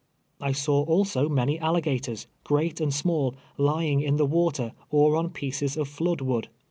I saw also many alligators, great and small, lying in the water, or on pieces of floodwood.